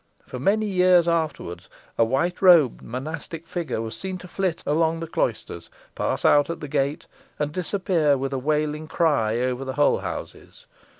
For many years afterwards a white robed monastic figure was seen to flit along the cloisters, pass out at the gate, and disappear with a wailing cry over the Holehouses.